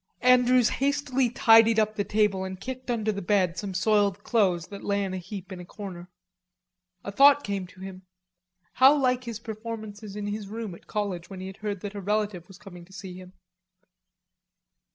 Andrews hastily tidied up the table and kicked under the bed some soiled clothes that lay in a heap in a corner. A thought came to him: how like his performances in his room at college when he had heard that a relative was coming to see him.